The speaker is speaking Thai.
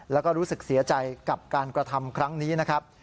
แล้วก็รู้สึกเสียใจกับการกระทำครั้งนี้นะครับ